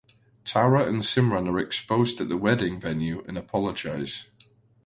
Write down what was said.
Tara and Simran are exposed at the wedding venue and apologize.